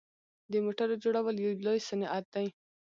د موټرو جوړول یو لوی صنعت دی.